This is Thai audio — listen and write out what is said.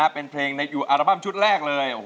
เป็นเพลงในอัลบั้มชุดแรกเลย